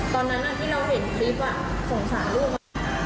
ตอนนั้นที่เราเห็นคลิปสงสารลูก